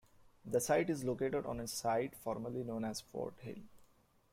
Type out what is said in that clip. The site is located on a site formerly known as Fort Hill.